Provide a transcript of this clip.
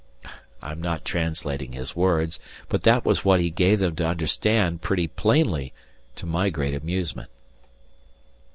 I am not translating his words, but that was what he gave them to understand pretty plainly, to my great amusement.